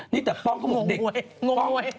นี่แต่ป้องก็บอกเด็กงงเว้ย